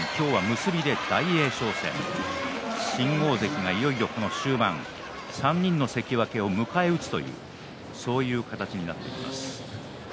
結びで大栄翔戦、新大関がいよいよ終盤３人の関脇を迎え撃つという形になっています。